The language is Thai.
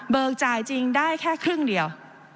จ่ายจริงได้แค่ครึ่งเดียว